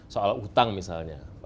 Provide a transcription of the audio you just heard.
soal utang misalnya